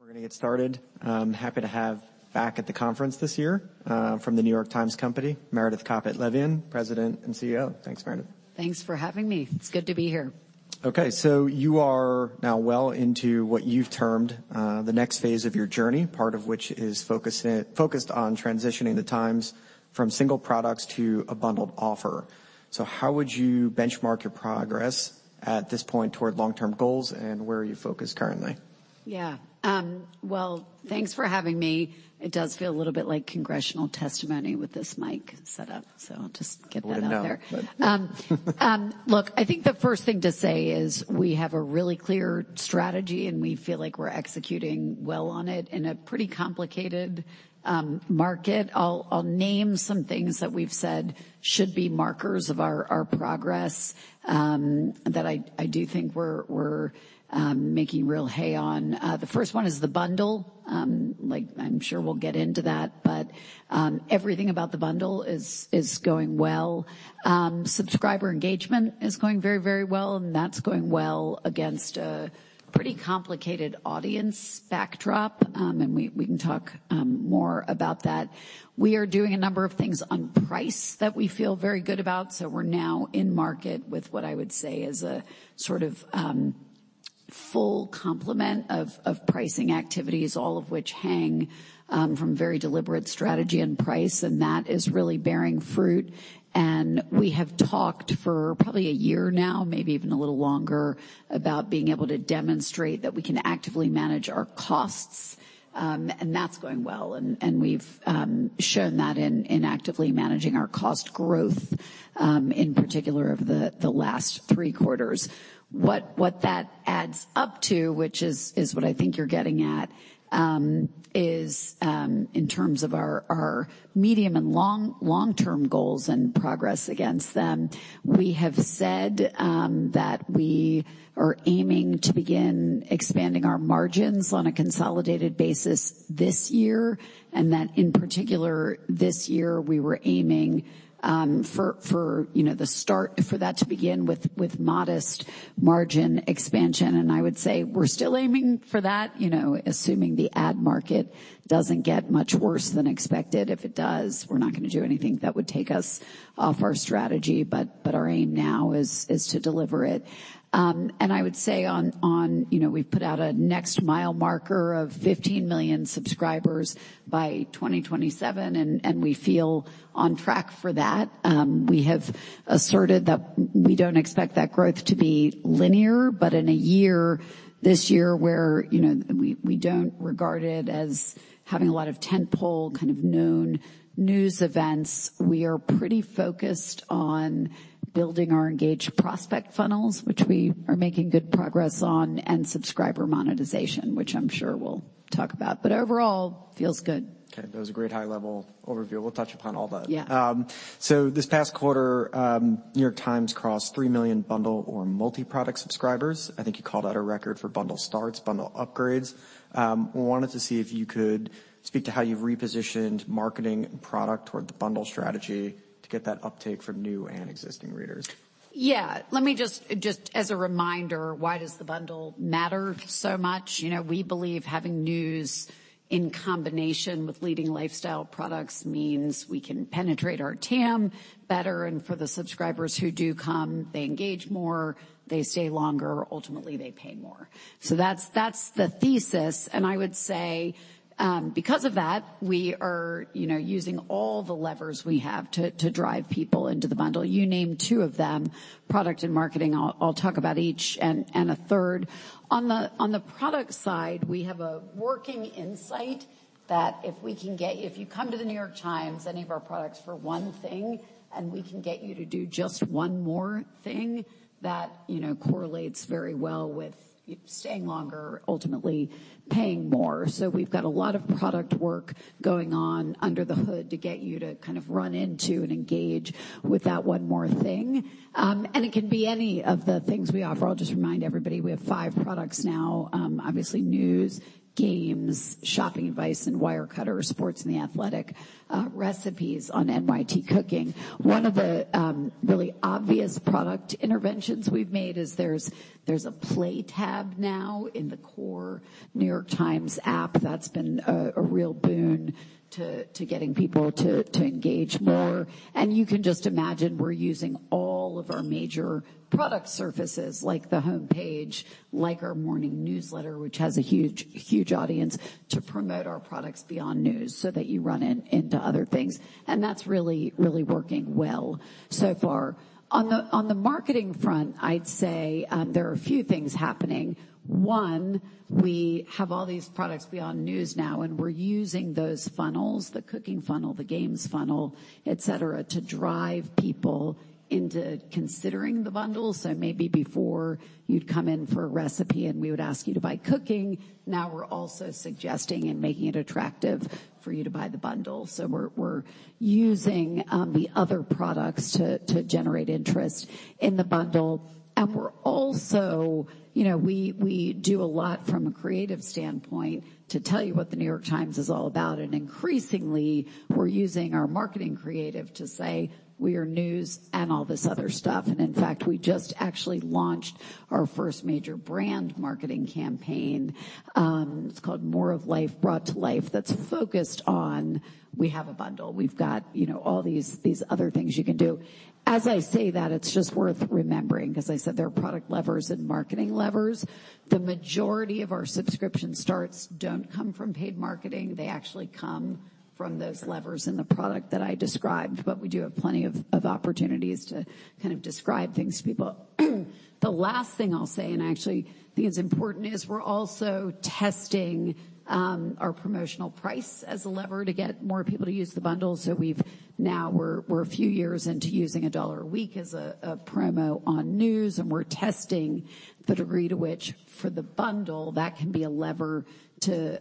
We're gonna get started. I'm happy to have back at the conference this year, from The New York Times Company, Meredith Kopit Levien, President and CEO. Thanks, Meredith. Thanks for having me. It's good to be here. Okay, you are now well into what you've termed, the next phase of your journey, part of which is focused on transitioning The Times from single products to a bundled offer. How would you benchmark your progress at this point toward long-term goals, and where are you focused currently? Yeah. Well, thanks for having me. It does feel a little bit like congressional testimony with this mic set up, so I'll just get that out there. Good to know. Look, I think the first thing to say is we have a really clear strategy, and we feel like we're executing well on it in a pretty complicated market. I'll name some things that we've said should be markers of our progress that I do think we're making real hay on. The first one is the bundle. Like, I'm sure we'll get into that, but everything about the bundle is going well. Subscriber engagement is going very, very well, and that's going well against a pretty complicated audience backdrop. We can talk more about that. We are doing a number of things on price that we feel very good about. We're now in market with what I would say is a sort of full complement of pricing activities, all of which hang from very deliberate strategy and price, that is really bearing fruit. We have talked for probably a year now, maybe even a little longer, about being able to demonstrate that we can actively manage our costs, that's going well. We've shown that in actively managing our cost growth in particular over the last three quarters. What that adds up to, which is what I think you're getting at, is in terms of our medium and long-term goals and progress against them. We have said that we are aiming to begin expanding our margins on a consolidated basis this year, and that in particular, this year we were aiming for, you know, the start for that to begin with modest margin expansion. I would say we're still aiming for that, you know, assuming the ad market doesn't get much worse than expected. If it does, we're not gonna do anything that would take us off our strategy, but our aim now is to deliver it. I would say on, you know, we've put out a next mile marker of 15 million subscribers by 2027, and we feel on track for that. We have asserted that we don't expect that growth to be linear, but this year where, you know, we don't regard it as having a lot of tentpole kind of known news events, we are pretty focused on building our engaged prospect funnels, which we are making good progress on, and subscriber monetization, which I'm sure we'll talk about. Overall, feels good. Okay. That was a great high-level overview. We'll touch upon all that. Yeah. This past quarter, New York Times crossed three million bundle or multi-product subscribers. I think you called out a record for bundle starts, bundle upgrades. We wanted to see if you could speak to how you've repositioned marketing and product toward the bundle strategy to get that uptake from new and existing readers. Yeah. Let me just as a reminder, why does the bundle matter so much? You know, we believe having news in combination with leading lifestyle products means we can penetrate our TAM better, and for the subscribers who do come, they engage more, they stay longer, ultimately they pay more. That's the thesis. I would say, because of that, we are, you know, using all the levers we have to drive people into the bundle. You named two of them, product and marketing. I'll talk about each and a third. On the product side, we have a working insight that if you come to The New York Times, any of our products for one thing, and we can get you to do just one more thing that, you know, correlates very well with staying longer, ultimately paying more. We've got a lot of product work going on under the hood to get you to kind of run into and engage with that one more thing. And it can be any of the things we offer. I'll just remind everybody, we have five products now. Obviously news, games, shopping advice, and Wirecutter, sports and The Athletic, recipes on NYT Cooking. One of the really obvious product interventions we've made is there's a Play tab now in the core The New York Times app that's been a real boon to getting people to engage more. You can just imagine, we're using all of our major product surfaces like the homepage, like our morning newsletter, which has a huge audience, to promote our products beyond news so that you run into other things. That's really working well so far. On the marketing front, I'd say, there are a few things happening. One, we have all these products beyond news now, and we're using those funnels, the cooking funnel, the games funnel, et cetera, to drive people into considering the bundle. Maybe before you'd come in for a recipe and we would ask you to buy Cooking, now we're also suggesting and making it attractive for you to buy the bundle. We're using the other products to generate interest in the bundle. We're also, you know, we do a lot from a creative standpoint to tell you what The New York Times is all about. Increasingly we're using our marketing creative to say we are news and all this other stuff. In fact, we just actually launched our first major brand marketing campaign, it's called More of Life Brought to Life, that's focused on we have a bundle, we've got, you know, all these other things you can do. As I say that, it's just worth remembering, 'cause I said there are product levers and marketing levers. The majority of our subscription starts don't come from paid marketing. They actually come from those levers in the product that I described. We do have plenty of opportunities to kind of describe things to people. The last thing I'll say, and actually think it's important, is we're also testing our promotional price as a lever to get more people to use the bundle. We're a few years into using a $1 a week as a promo on news, and we're testing the degree to which, for the bundle, that can be a lever to,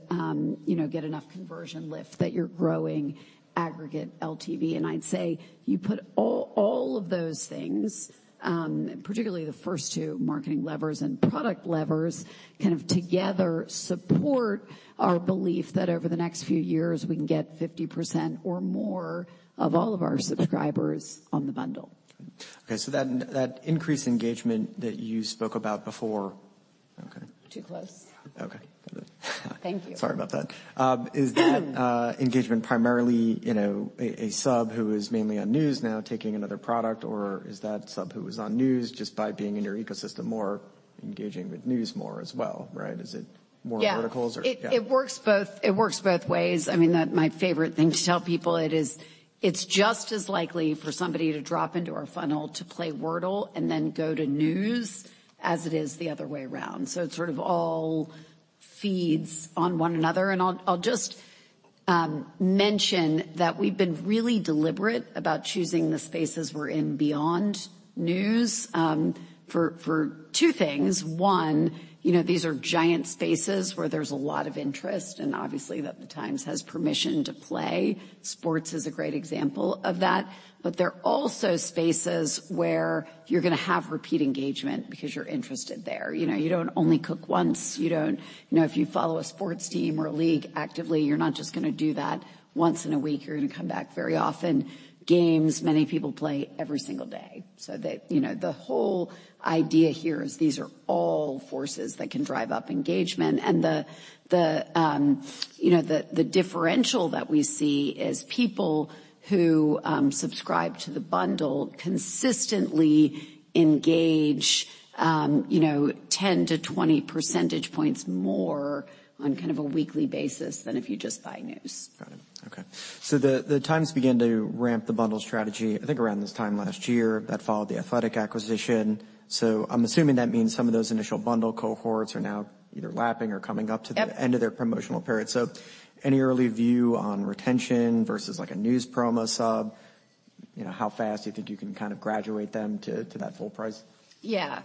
you know, get enough conversion lift that you're growing aggregate LTV. I'd say you put all of those things, particularly the first two marketing levers and product levers, kind of together support our belief that over the next few years we can get 50% or more of all of our subscribers on the bundle. Okay. That increased engagement that you spoke about before. Okay. Too close? Okay. Thank you. Sorry about that. Is that engagement primarily, you know, a sub who is mainly on news now taking another product? Is that sub who is on news just by being in your ecosystem more engaging with news more as well, right? Is it more verticals... Yeah. It works both ways. I mean, my favorite thing to tell people it is, it's just as likely for somebody to drop into our funnel to play Wordle and then go to news as it is the other way around. It sort of all feeds on one another. I'll just mention that we've been really deliberate about choosing the spaces we're in beyond news, for two things. One, you know, these are giant spaces where there's a lot of interest, and obviously that The Times has permission to play. Sports is a great example of that. They're also spaces where you're gonna have repeat engagement because you're interested there. You know, you don't only cook once, you don't, you know, if you follow a sports team or a league actively, you're not just gonna do that once in a week. You're gonna come back very often. Games, many people play every single day. You know, the whole idea here is these are all forces that can drive up engagement and the, you know, the differential that we see is people who subscribe to the bundle consistently engage, you know, 10-20 percentage points more on kind of a weekly basis than if you just buy news. Got it. Okay. The Times began to ramp the bundle strategy, I think, around this time last year that followed the Athletic acquisition. I'm assuming that means some of those initial bundle cohorts are now either lapping or coming up to the end of their promotional period. Any early view on retention versus, like a news promo sub? You know, how fast you think you can kind of graduate them to that full price? Yeah.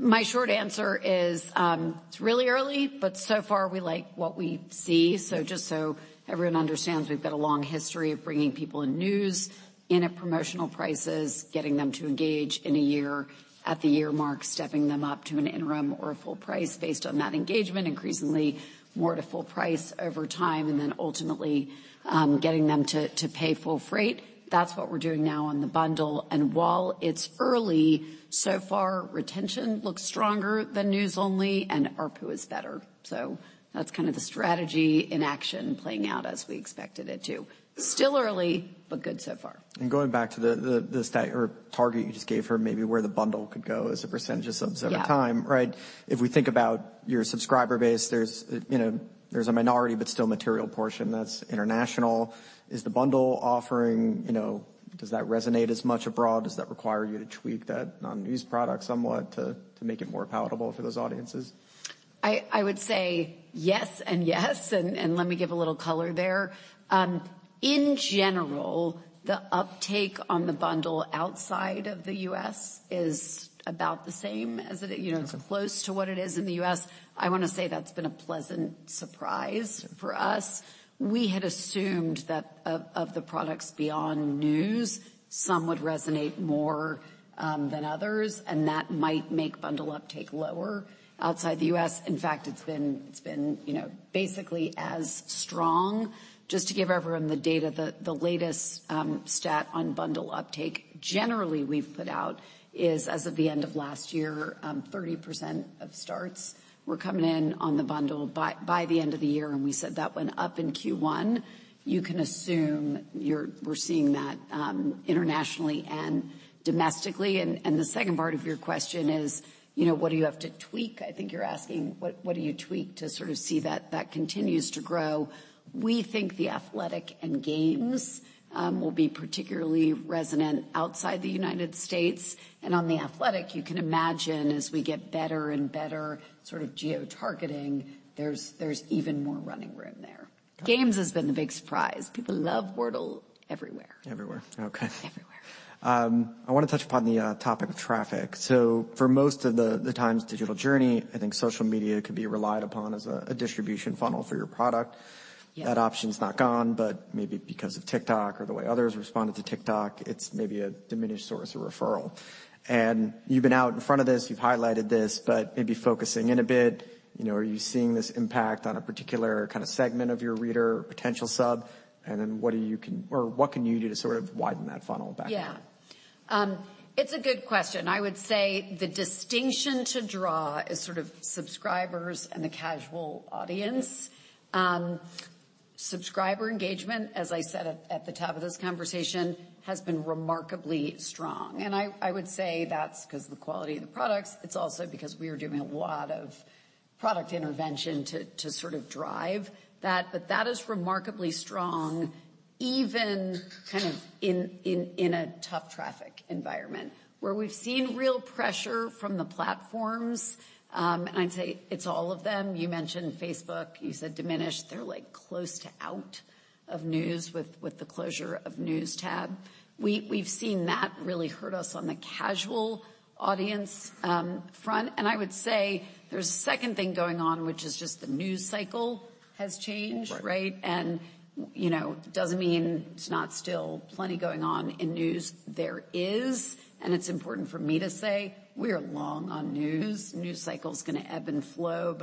My short answer is, it's really early, but so far we like what we see. Just so everyone understands, we've got a long history of bringing people in news in at promotional prices, getting them to engage in a year, at the year mark, stepping them up to an interim or a full price based on that engagement, increasingly more to full price over time, and then ultimately, getting them to pay full freight. That's what we're doing now on the bundle. While it's early, so far, retention looks stronger than news only, and ARPU is better. That's kind of the strategy in action playing out as we expected it to. Still early, but good so far. Going back to the stat or target you just gave for maybe where the bundle could go as a percentage of subs. Yeah Over time, right? If we think about your subscriber base, there's, you know, there's a minority, but still material portion that's international. Is the bundle offering, you know, does that resonate as much abroad? Does that require you to tweak that non-news product somewhat to make it more palatable for those audiences? I would say yes and yes. Let me give a little color there. In general, the uptake on the bundle outside of the U.S. is about the same as it is, you know, close to what it is in the U.S. I wanna say that's been a pleasant surprise for us. We had assumed that of the products beyond news, some would resonate more than others, and that might make bundle uptake lower outside the U.S. In fact, it's been, you know, basically as strong. Just to give everyone the data, the latest stat on bundle uptake generally we've put out is, as of the end of last year, 30% of starts were coming in on the bundle by the end of the year, and we said that went up in Q1. You can assume we're seeing that internationally and domestically. The second part of your question is, you know, what do you have to tweak? I think you're asking what do you tweak to sort of see that continues to grow. We think The Athletic and Games will be particularly resonant outside the United States. On The Athletic, you can imagine, as we get better and better sort of geotargeting, there's even more running room there. Games has been the big surprise. People love Wordle everywhere. Everywhere. Okay. I wanna touch upon the topic of traffic. For most of The Times' digital journey, I think social media could be relied upon as a distribution funnel for your product. Yeah. That option's not gone, maybe because of TikTok or the way others responded to TikTok, it's maybe a diminished source of referral. You've been out in front of this, you've highlighted this, maybe focusing in a bit, you know, are you seeing this impact on a particular kind of segment of your reader potential sub? What can you do to sort of widen that funnel back up? Yeah. It's a good question. I would say the distinction to draw is sort of subscribers and the casual audience. Subscriber engagement, as I said at the top of this conversation, has been remarkably strong. I would say that's 'cause the quality of the products. It's also because we are doing a lot of product intervention to sort of drive that. That is remarkably strong-even kind of in a tough traffic environment where we've seen real pressure from the platforms, I'd say it's all of them. You mentioned Facebook, you said diminished. They're like close to out of news with the closure of News tab. We've seen that really hurt us on the casual audience front, I would say there's a second thing going on, which is just the news cycle has changed, right? Right. You know, doesn't mean there's not still plenty going on in news. There is. It's important for me to say we are long on news. News cycle's gonna ebb and flow,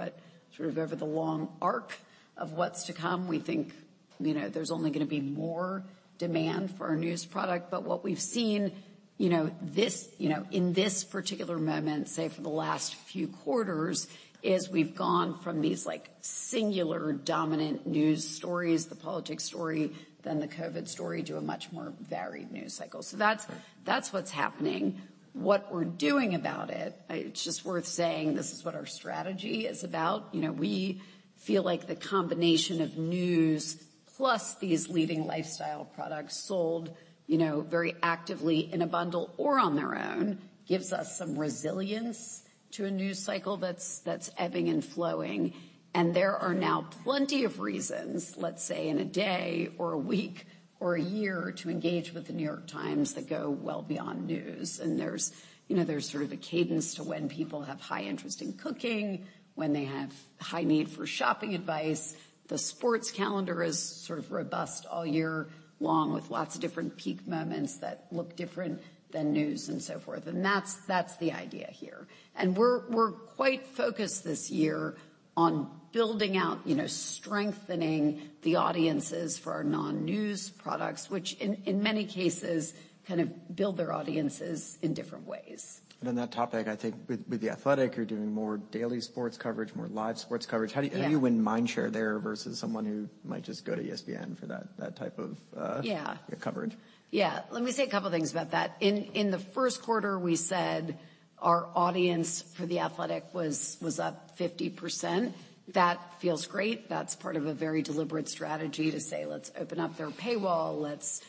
sort of over the long arc of what's to come, we think, you know, there's only gonna be more demand for our news product. What we've seen, you know, this, you know, in this particular moment, say for the last few quarters, is we've gone from these, like, singular dominant news stories, the politics story, then the COVID story, to a much more varied news cycle. That's. Right That's what's happening. What we're doing about it's just worth saying this is what our strategy is about. You know, we feel like the combination of news plus these leading lifestyle products sold, you know, very actively in a bundle or on their own, gives us some resilience to a news cycle that's ebbing and flowing. There are now plenty of reasons, let's say, in a day or a week or a year to engage with The New York Times that go well beyond news. There's, you know, there's sort of a cadence to when people have high interest in cooking, when they have high need for shopping advice. The sports calendar is sort of robust all year long with lots of different peak moments that look different than news and so forth. That's the idea here. We're quite focused this year on building out, you know, strengthening the audiences for our non-news products, which in many cases, kind of build their audiences in different ways. On that topic, I think with The Athletic, you're doing more daily sports coverage, more live sports coverage. Yeah. How do you win mind share there versus someone who might just go to ESPN for that type of? Yeah Coverage? Yeah. Let me say a couple things about that. In the 1st quarter, we said our audience for The Athletic was up 50%. That feels great. That's part of a very deliberate strategy to say, "Let's open up their paywall. Let's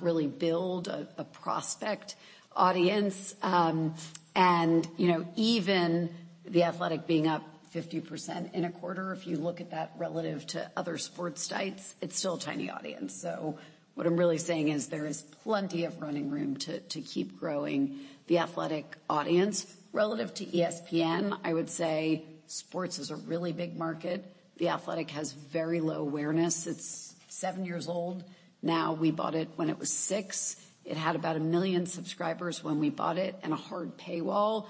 really build a prospect audience." You know, even The Athletic being up 50% in a quarter, if you look at that relative to other sports sites, it's still a tiny audience. What I'm really saying is there is plenty of running room to keep growing The Athletic audience. Relative to ESPN, I would say sports is a really big market. The Athletic has very low awareness. It's seven years old now. We bought it when it was six. It had about a million subscribers when we bought it and a hard paywall.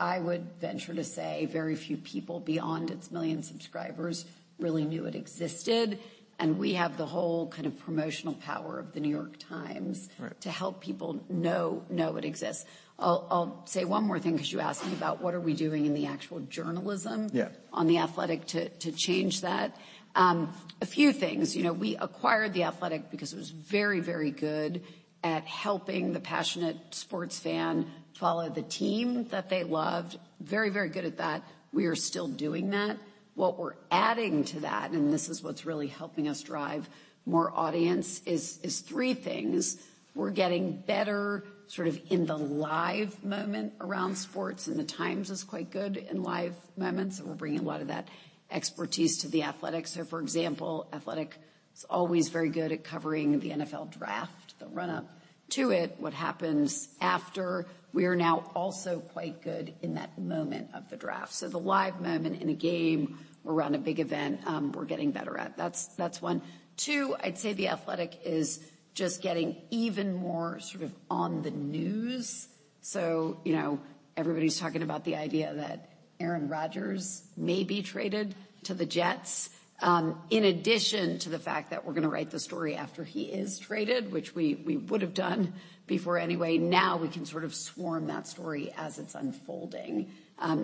I would venture to say very few people beyond its million subscribers really knew it existed, and we have the whole kind of promotional power of The New York Times. Right To help people know it exists. I'll say one more thing 'cause you asked me about what are we doing in the actual journalism. Yeah On The Athletic to change that. A few things. You know, we acquired The Athletic because it was very good at helping the passionate sports fan follow the team that they loved. Very very good at that. We are still doing that. What we're adding to that, and this is what's really helping us drive more audience, is three things. We're getting better sort of in the live moment around sports, and The Times is quite good in live moments. We're bringing a lot of that expertise to The Athletic. For example, The Athletic is always very good at covering the NFL draft, the run-up to it, what happens after. We are now also quite good in that moment of the draft. The live moment in a game or around a big event, we're getting better at. That's one. Two, I'd say The Athletic is just getting even more sort of on the news. You know, everybody's talking about the idea that Aaron Rodgers may be traded to the Jets. In addition to the fact that we're gonna write the story after he is traded, which we would've done before anyway, now we can sort of swarm that story as it's unfolding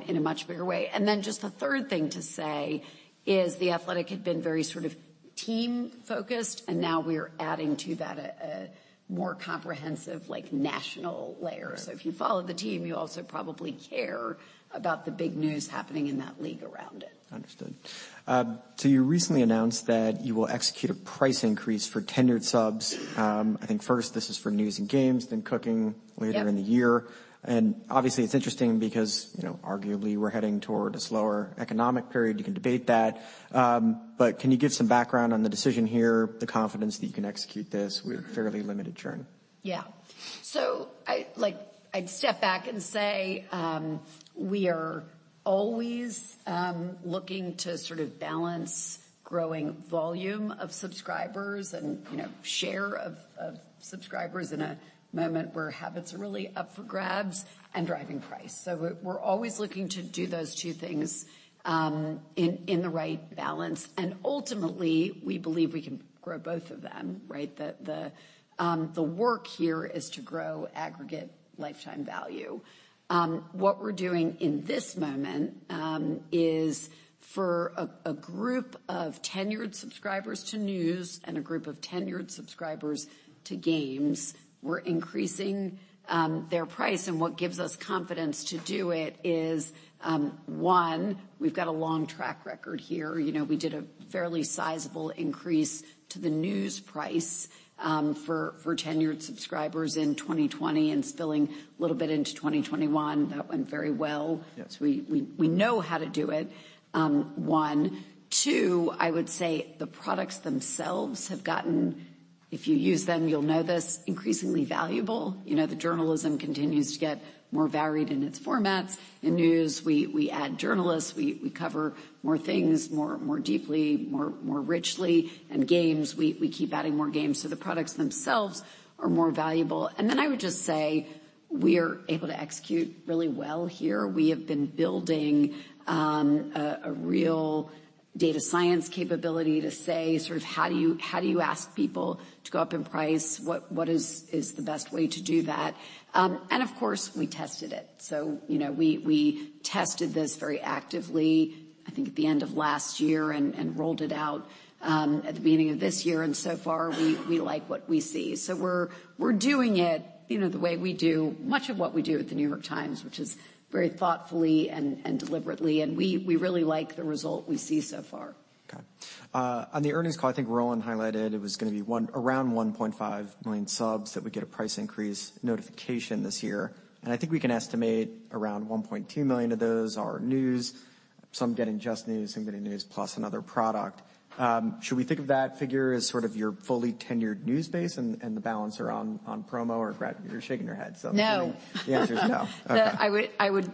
in a much bigger way. Just the third thing to say is The Athletic had been very sort of team-focused, and now we're adding to that a more comprehensive, like, national layer. Right. If you follow the team, you also probably care about the big news happening in that league around it. Understood. You recently announced that you will execute a price increase for tenured subs. I think first this is for news and games, then cooking later in the year. Obviously, it's interesting because, you know, arguably we're heading toward a slower economic period. You can debate that. Can you give some background on the decision here, the confidence that you can execute this with fairly limited churn? Yeah. Like, I'd step back and say, we are always looking to sort of balance growing volume of subscribers and, you know, share of subscribers in a moment where habits are really up for grabs and driving price. We're, we're always looking to do those two things in the right balance. Ultimately, we believe we can grow both of them, right? The, the work here is to grow aggregate lifetime value. What we're doing in this moment is for a group of tenured subscribers to news and a group of tenured subscribers to games, we're increasing their price, and what gives us confidence to do it is, one, we've got a long track record here. You know, we did a fairly sizable increase to the news price, for tenured subscribers in 2020 and spilling a little bit into 2021. That went very well. Yes. We know how to do it, one. Two, I would say the products themselves have gotten, if you use them, you know this, increasingly valuable. You know, the journalism continues to get more varied in its formats. In news, we add journalists, we cover more things more deeply, more richly. In games, we keep adding more games, so the products themselves are more valuable. I would just say we're able to execute really well here. We have been building, a real data science capability to say sort of how do you ask people to go up in price? What is the best way to do that? Of course we tested it. You know, we tested this very actively, I think at the end of last year, and rolled it out at the beginning of this year. So far we like what we see. We're, we're doing it, you know, the way we do much of what we do at The New York Times, which is very thoughtfully and deliberately, and we really like the result we see so far. Okay. on the earnings call, I think Roland highlighted it was gonna be around 1.5 million subs that would get a price increase notification this year. I think we can estimate around 1.2 million of those are News, some getting just news, some getting news plus another product. Should we think of that figure as sort of your fully tenured news base and the balance around on promo or... Grat, you're shaking your head, so. No. The answer's no. Okay.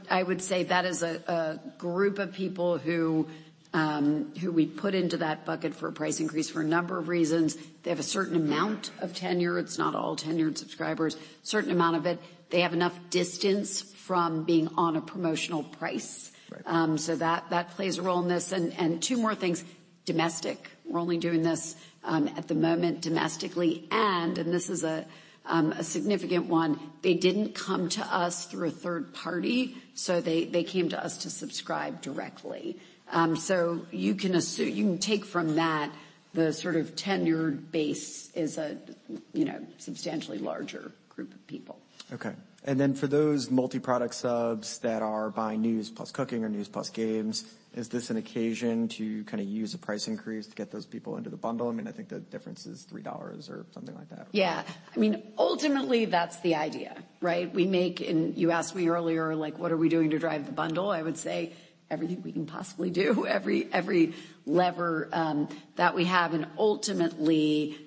I would say that is a group of people who we put into that bucket for a price increase for a number of reasons. They have a certain amount of tenure. It's not all tenured subscribers. Certain amount of it, they have enough distance from being on a promotional price. Right. That plays a role in this. Two more things. Domestic, we're only doing this at the moment domestically. This is a significant one. They didn't come to us through a third party, so they came to us to subscribe directly. You can take from that the sort of tenured base is a, you know, substantially larger group of people. Okay. For those multi-product subs that are buying News plus Cooking or News plus Games, is this an occasion to kinda use a price increase to get those people into the bundle? I mean, I think the difference is $3 or something like that. Yeah. I mean, ultimately, that's the idea, right? We make, you asked me earlier, like, what are we doing to drive the bundle? I would say everything we can possibly do. Every lever that we have, and ultimately,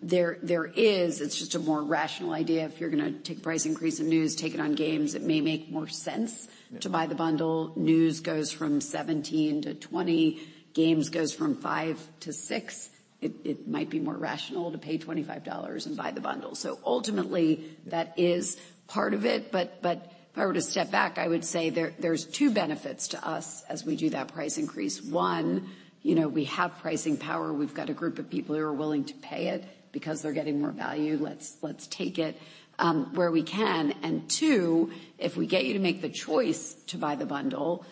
there is, it's just a more rational idea if you're gonna take a price increase in news, take it on games. It may make more sense. Yeah To buy the bundle. News goes from $17-$20. Games goes from $5-$6. It might be more rational to pay $25 and buy the bundle. Ultimately, that is part of it. If I were to step back, I would say there's two benefits to us as we do that price increase. One, you know, we have pricing power. We've got a group of people who are willing to pay it because they're getting more value. Let's take it where we can. Two, if we get you to make the choice to buy the bundle,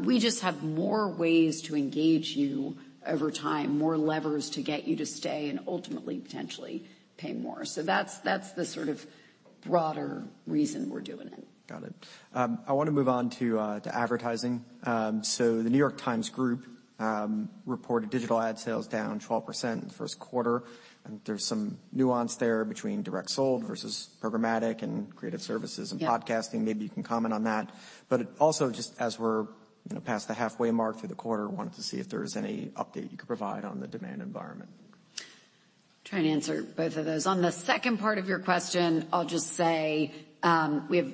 we just have more ways to engage you over time, more levers to get you to stay and ultimately, potentially pay more. That's the sort of broader reason we're doing it. Got it. I wanna move on to advertising. The New York Times group reported digital ad sales down 12% 1st quarter, there's some nuance there between direct sold versus programmatic and creative services and podcasting. Also, just as we're, you know, past the halfway mark through the quarter, wanted to see if there was any update you could provide on the demand environment. Try and answer both of those. On the second part of your question, I'll just say, we have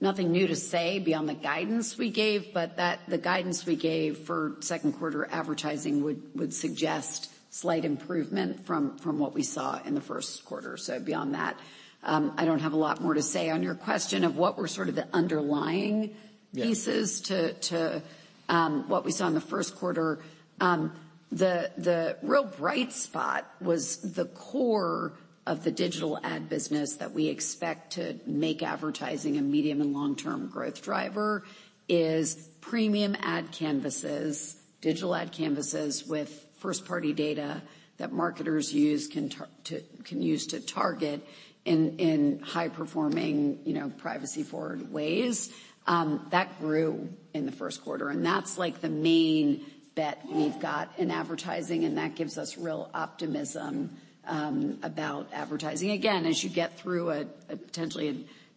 nothing new to say beyond the guidance we gave, the guidance we gave for second quarter advertising would suggest slight improvement from what we saw in the 1st quarter. Beyond that, I don't have a lot more to say. On your question of what were sort of the underlying pieces to what we saw in the first quarter, the real bright spot was the core of the digital ad business that we expect to make advertising a medium and long-term growth driver is premium ad canvases, digital ad canvases with first-party data that marketers use can use to target in high-performing, you know, privacy-forward ways. That grew in the 1st quarter, and that's like the main bet we've got in advertising, and that gives us real optimism about advertising. Again, as you get through a potentially a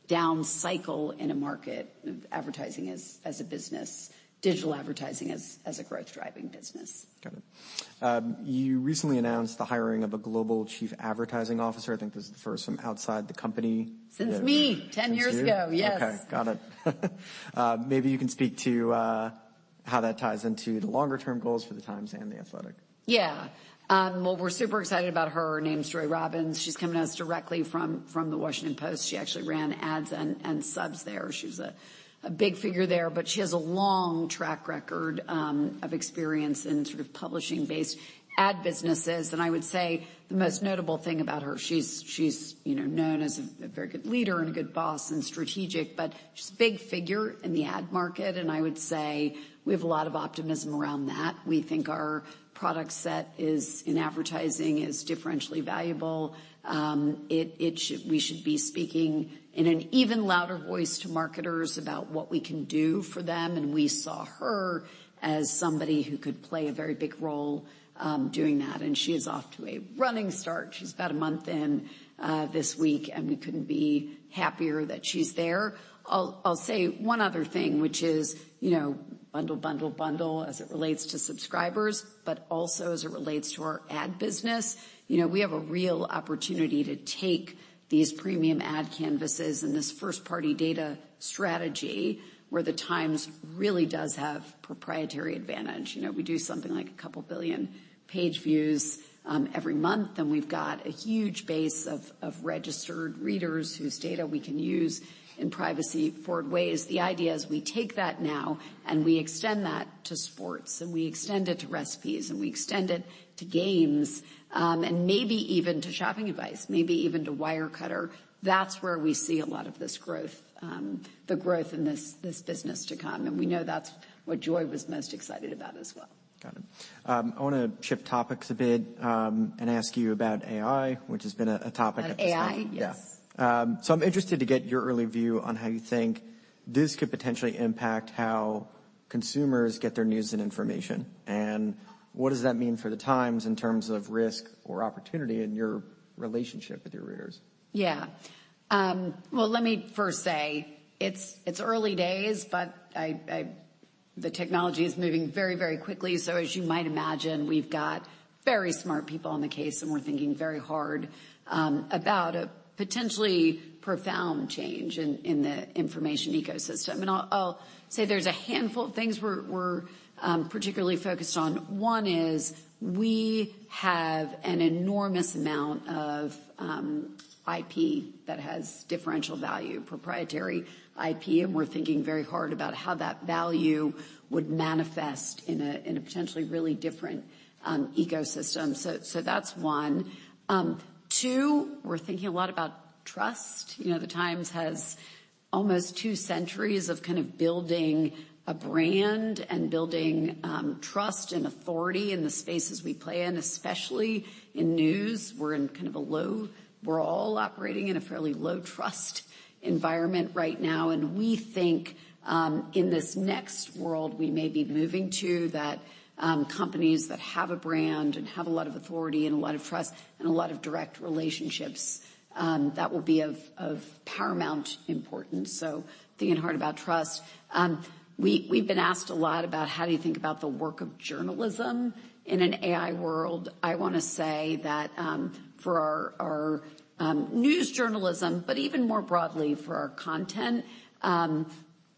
down cycle in a market, advertising as a business, digital advertising as a growth-driving business. Got it. You recently announced the hiring of a global chief advertising officer. I think this is the first from outside the company. Since me, 10 years ago. Since you? Yes. Okay. Got it. Maybe you can speak to. How that ties into the longer term goals for The Times and The Athletic? Yeah. Well we're super excited about her. Her name's Joy Robins. She's coming to us directly from The Washington Post. She actually ran ads and subs there. She's a big figure there, but she has a long track record of experience in sort of publishing-based ad businesses. I would say the most notable thing about her, she's, you know, known as a very good leader and a good boss and strategic, but she's a big figure in the ad market. I would say we have a lot of optimism around that. We think our product set is, in advertising, is differentially valuable. We should be speaking in an even louder voice to marketers about what we can do for them, and we saw her as somebody who could play a very big role doing that. She is off to a running start. She's about 1 month in this week, and we couldn't be happier that she's there. I'll say, one other thing, which is, you know, bundle, bundle as it relates to subscribers, but also as it relates to our ad business. You know, we have a real opportunity to take these premium ad canvases and this first-party data strategy, where The Times really does have proprietary advantage. You know, we do something like a couple billion page views every month, and we've got a huge base of registered readers whose data we can use in privacy-forward ways. The idea is we take that now, we extend that to sports, and we extend it to recipes, and we extend it to games, and maybe even to shopping advice, maybe even to Wirecutter. That's where we see a lot of this growth, the growth in this business to come. We know that's what Joy was most excited about as well. Got it. I wanna shift topics a bit, ask you about AI, which has been a topic of? AI? Yeah. I'm interested to get your early view on how you think this could potentially impact how consumers get their news and information, and what does that mean for The Times in terms of risk or opportunity in your relationship with your readers? Yeah. Well, let me first say it's early days, but The technology is moving very, very quickly, so as you might imagine, we've got very smart people on the case, and we're thinking very hard about a potentially profound change in the information ecosystem. I'll say there's a handful of things we're particularly focused on. One is we have an enormous amount of IP that has differential value, proprietary IP, and we're thinking very hard about how that value would manifest in a, in a potentially really different ecosystem. That's one. Two, we're thinking a lot about trust. You know, The Times has almost two centuries of kind of building a brand and building trust and authority in the spaces we play in, especially in news. We're all operating in a fairly low-trust environment right now, and we think, in this next world we may be moving to that, companies that have a brand and have a lot of authority and a lot of trust and a lot of direct relationships, that will be of paramount importance. Thinking hard about trust. We, we've been asked a lot about how do you think about the work of journalism in an AI world. I wanna say that, for our news journalism, but even more broadly for our content,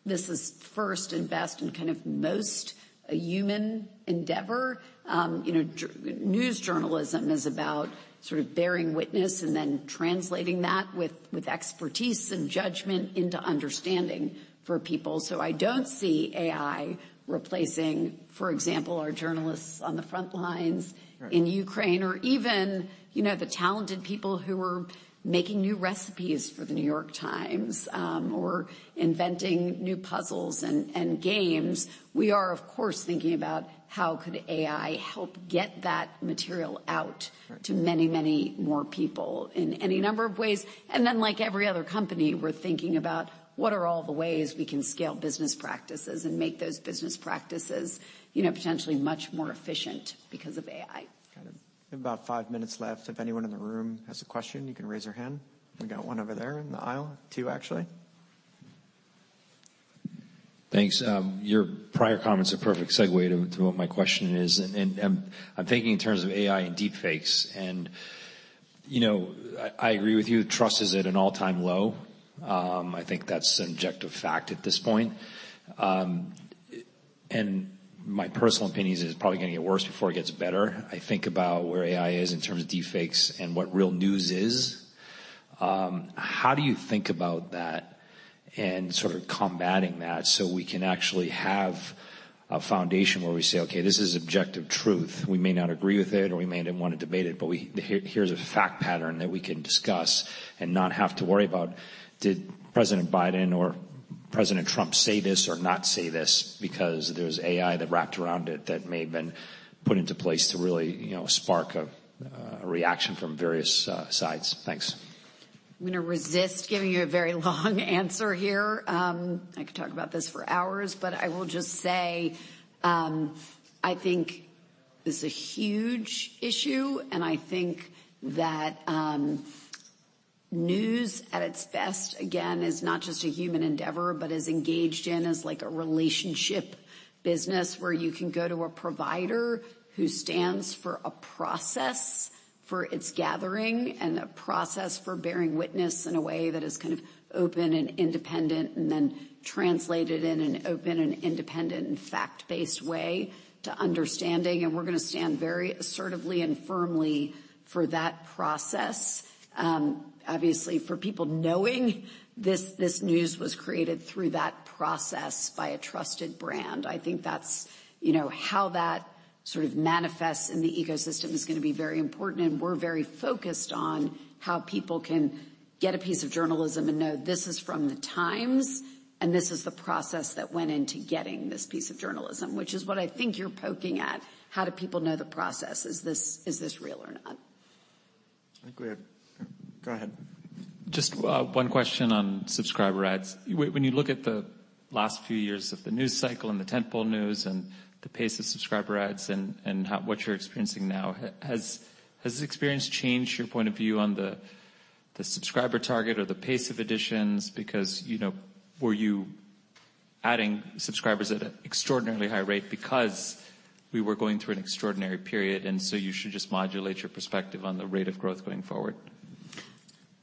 this is first and best and kind of most a human endeavor. You know, news journalism is about sort of bearing witness and then translating that with expertise and judgment into understanding for people. I don't see AI replacing, for example, our journalists on the front lines. Right In Ukraine or even, you know, the talented people who are making new recipes for The New York Times, or inventing new puzzles and games. We are, of course, thinking about how could AI help get that material out. Sure To many, many more people in any number of ways. Like every other company, we're thinking about what are all the ways we can scale business practices and make those business practices, you know, potentially much more efficient because of AI. Got it. We have about five minutes left. If anyone in the room has a question, you can raise your hand. We've got one over there in the aisle. Two, actually. Thanks. Your prior comment's a perfect segue to what my question is. I'm thinking in terms of AI and deepfakes. You know, I agree with you, trust is at an all-time low. I think that's an objective fact at this point. My personal opinion is it's probably gonna get worse before it gets better. I think about where AI is in terms of Deepfakes and what real news is. How do you think about that and sort of combating that so we can actually have a foundation where we say, "Okay, this is objective truth. We may not agree with it or we may then wanna debate it, but here's a fact pattern that we can discuss and not have to worry about did President Biden or President Trump say this or not say this because there's AI that wrapped around it that may have been put into place to really, you know, spark a reaction from various sides. Thanks. I'm gonna resist giving you a very long answer here. I could talk about this for hours, but I will just say, I think this is a huge issue, and I think that news at its best, again, is not just a human endeavor but is engaged in as like a relationship business where you can go to a provider who stands for a process for its gathering and the process for bearing witness in a way that is kind of open and independent and then translated in an open and independent and fact-based way to understanding. We're gonna stand very assertively and firmly for that process. Obviously, for people knowing this news was created through that process by a trusted brand. I think that's, you know, how that sort of manifests in the ecosystem is gonna be very important, and we're very focused on how people can get a piece of journalism and know this is from The Times, and this is the process that went into getting this piece of journalism. Which is what I think you're poking at. How do people know the process? Is this real or not? Go ahead. Just one question on subscriber adds. When you look at the last few years of the news cycle and the tentpole news and the pace of subscriber adds and how what you're experiencing now, has the experience changed your point of view on the subscriber target or the pace of additions? You know, were you adding subscribers at an extraordinarily high rate because we were going through an extraordinary period, so you should just modulate your perspective on the rate of growth going forward?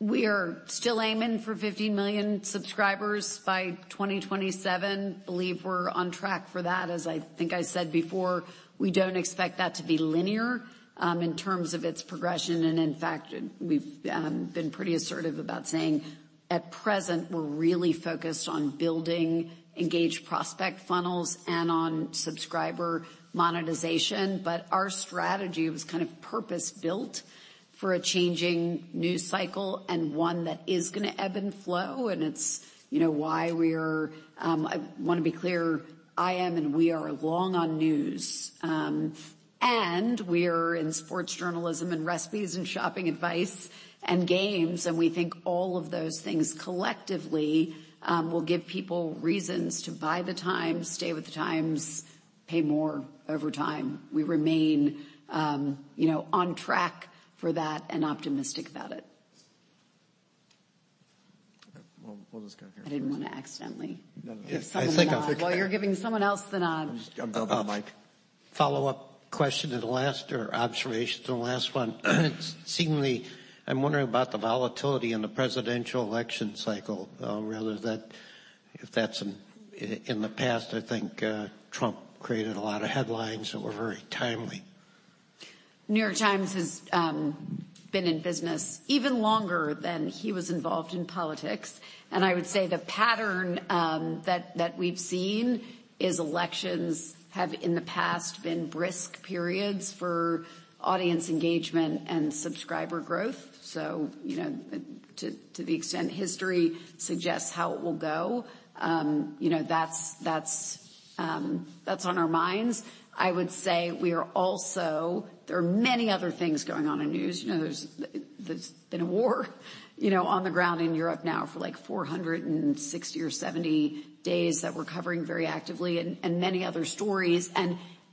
We are still aiming for 50 million subscribers by 2027. Believe we're on track for that. As I think I said before, we don't expect that to be linear in terms of its progression. In fact, we've been pretty assertive about saying at present, we're really focused on building engaged prospect funnels and on subscriber monetization. Our strategy was kind of purpose-built for a changing news cycle and one that is gonna ebb and flow, and it's, you know, why we're. I wanna be clear, I am and we are long on news. We're in sports journalism and recipes and shopping advice and games, and we think all of those things collectively will give people reasons to buy The Times, stay with The Times, pay more over time. We remain, you know, on track for that and optimistic about it. Well, we'll just go here first. I didn't want to accidentally. No, no. If someone- I think I'll take that. Well, you're giving someone else the nod. I'm done with the mic. Follow-up question to the last or observation to the last one. Seemingly, I'm wondering about the volatility in the presidential election cycle, rather than if that's in the past. I think, Trump created a lot of headlines that were very timely. New York Times has been in business even longer than he was involved in politics. I would say the pattern that we've seen is elections have in the past been brisk periods for audience engagement and subscriber growth. You know, to the extent history suggests how it will go, you know, that's on our minds. I would say we are also there are many other things going on in news. You know, there's been a war, you know, on the ground in Europe now for like 460 or 70 days that we're covering very actively and many other stories.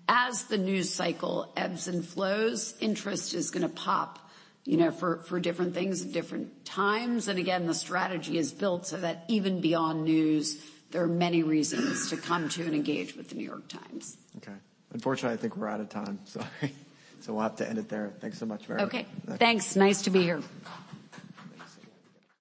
As the news cycle ebbs and flows, interest is gonna pop, you know, for different things at different times. Again, the strategy is built so that even beyond news, there are many reasons to come to and engage with The New York Times. Okay. Unfortunately, I think we're out of time, so we'll have to end it there. Thanks so much, Meredith. Okay. Thanks. Nice to be here. Thanks.